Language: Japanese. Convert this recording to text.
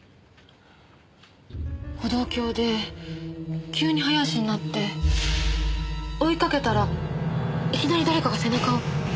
歩道橋で急に早足になって追いかけたらいきなり誰かが背中を。